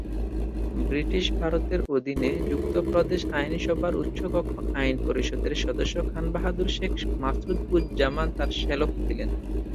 British ভারতের অধীনে যুক্ত প্রদেশ আইনসভার উচ্চকক্ষ আইন পরিষদের সদস্য খান বাহাদুর শেখ মাসুদ-উজ-জামান তার শ্যালক ছিলেন।